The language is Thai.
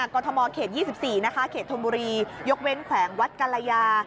กรทมเขต๒๔นะคะเขตธนบุรียกเว้นแขวงวัดกรยา